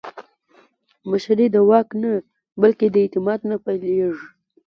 مشري د واک نه، بلکې د اعتماد نه پیلېږي